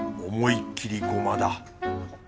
思いっきりゴマだ。